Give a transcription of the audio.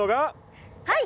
はい！